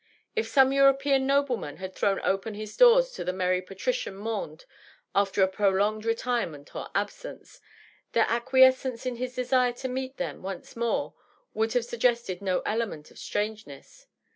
If some European nobleman had thrown open his doors to the merry patrician monde after a prolonged retirement or absence, their acqui escence in his desire to meet them once more would have suggested no element of strangeness.